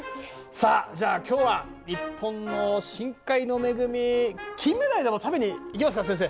さあじゃあ今日は日本の深海の恵みキンメダイでも食べに行きますか先生。